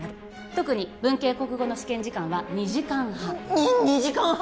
特に文系国語の試験時間は２時間半に２時間半！？